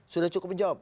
sudah cukup menjawab